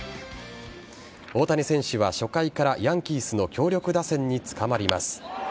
大谷選手は初回からヤンキースの強力打線につかまります。